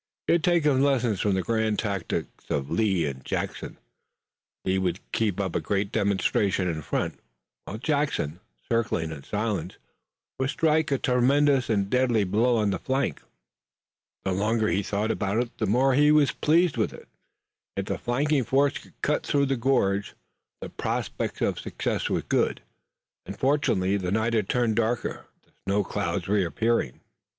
He had taken lessons from the grand tactics of Lee and Jackson. Lee would keep up a great demonstration in front, while Jackson, circling in silence, would strike a tremendous and deadly blow on the flank. The longer he thought about it the more he was pleased with it. If the flanking force could cut through the gorge the prospect of success was good, and fortunately the night had turned darker, the snow clouds reappearing.